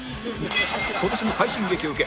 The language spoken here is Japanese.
今年の快進撃を受け